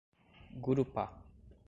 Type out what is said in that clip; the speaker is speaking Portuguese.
Gurupá